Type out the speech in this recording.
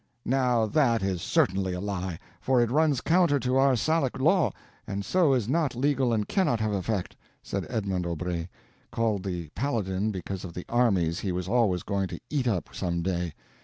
"Now that is certainly a lie, for it runs counter to our Salic law, and so is not legal and cannot have effect," said Edmond Aubrey, called the Paladin, because of the armies he was always going to eat up some day.